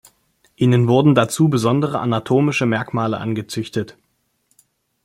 Ihnen wurden dazu besondere anatomische Merkmale angezüchtet.